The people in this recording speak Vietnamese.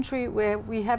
để chắc chắn